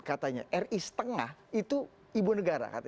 katanya ri setengah itu ibu negara